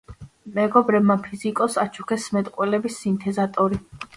მეგობრებმა ფიზიკოსს აჩუქეს მეტყველების სინთეზატორი.